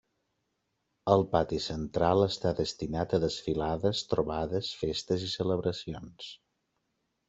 El pati central està destinat a desfilades, trobades, festes i celebracions.